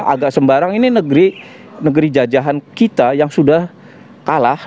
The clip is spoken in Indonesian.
agak sembarang ini negeri jajahan kita yang sudah kalah